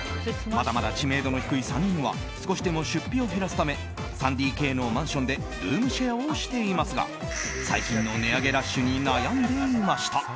まだまだ知名度の低い３人は少しでも出費を減らすため３ＤＫのマンションでルームシェアをしていますが最近の値上げラッシュに悩んでいました。